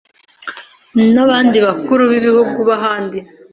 n'abandi bakuru b'ibihugu b'ahandi,